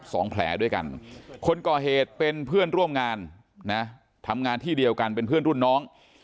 สองแผลด้วยกันคนก่อเหตุเป็นเพื่อนร่วมงานนะทำงานที่เดียวกันเป็นเพื่อนรุ่นน้อง